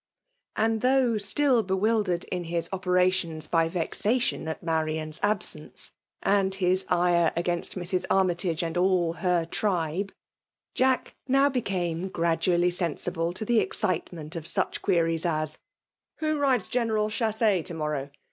'*. .'And though still bewildered in his opera ttoni^ by vexation at Marian's absence, and Us ine* a^ainht Mrs. Army tage and all her tHbe; JlsdL nowl)ecame gradually sensible to tke excitement of such queries as *' Who rides Oeneral Chasse to imorrow?"